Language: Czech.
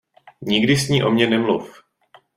Nikdy s ní o mně nemluv.